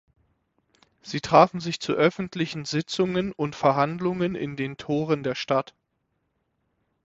Sie trafen sich zu öffentlichen Sitzungen und Verhandlungen in den Toren der Stadt.